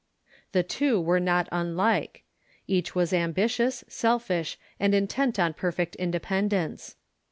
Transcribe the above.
The two were not unlike. Each Avas ambitious, selfish, and intent on perfect independence.